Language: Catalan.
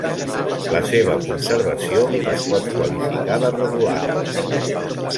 La seva conservació es pot qualificar de regular.